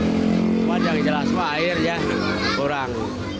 cuma yang jelas mah airnya kurang